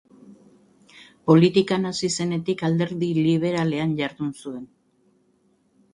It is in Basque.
Politikan hasi zenetik Alderdi Liberalean jardun zuen.